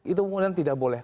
itu kemudian tidak boleh